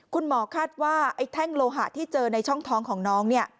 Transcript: คุณหมอคาดว่าไอ้แท่งโลหะที่เจอในช่องท้องของน้อง